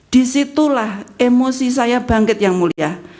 di situlah emosi saya bangkit yang mulia